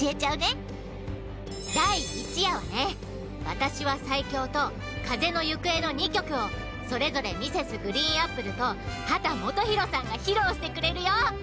『私は最強』と『風のゆくえ』の２曲をそれぞれＭｒｓ．ＧＲＥＥＮＡＰＰＬＥと秦基博さんが披露してくれるよ。